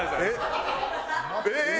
えっ？